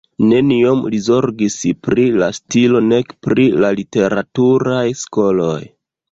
Neniom li zorgis pri la stilo nek pri literaturaj skoloj.